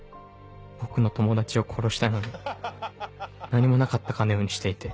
僕の友達を殺したのに何もなかったかのようにしていて。